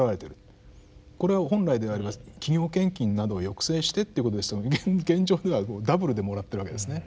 これは本来であれば企業献金などを抑制してっていうことですけど現状ではダブルでもらってるわけですね。